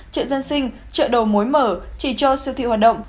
chợ dân sinh chợ đầu mối mở chỉ cho siêu thị hoạt động